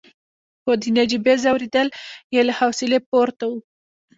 خو د نجيبې ځورېدل يې له حوصلې پورته وو.